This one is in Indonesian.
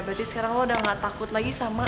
berarti sekarang lo udah gak takut lagi sama